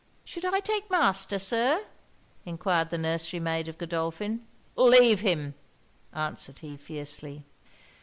'Should I take Master, Sir?' enquired the nursery maid of Godolphin. 'Leave him!' answered he, fiercely.